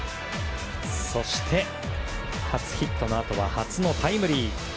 そして初ヒットのあとは初のタイムリー。